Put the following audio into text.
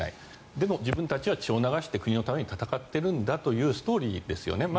でも自分たちは血を流して国のために戦っているんだというストーリーですよね。